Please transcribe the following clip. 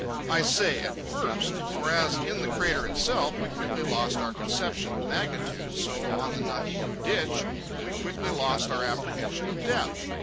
I say "at first"; for, as in the crater itself we quickly lost our conception of magnitude, so, on the Nahiku Ditch, we quickly lost our apprehension of depth.